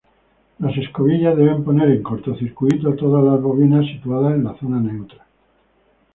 Las escobillas deben poner en cortocircuito todas las bobinas situadas en la zona neutra.